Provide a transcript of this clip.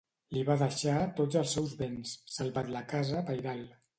Li va deixar tots els seus béns, salvat la casa pairal.